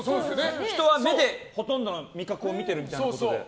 人は目でほとんどの味覚を見てるみたいなことで。